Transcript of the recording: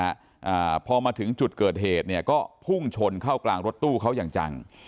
อ่าพอมาถึงจุดเกิดเหตุเนี่ยก็พุ่งชนเข้ากลางรถตู้เขาอย่างจัง